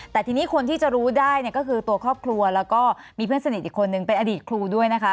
แต่ทีนี้คนที่จะรู้ได้เนี่ยก็คือตัวครอบครัวแล้วก็มีเพื่อนสนิทอีกคนนึงเป็นอดีตครูด้วยนะคะ